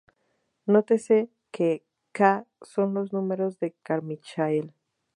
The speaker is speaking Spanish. Nótese que "K" son los números de Carmichael.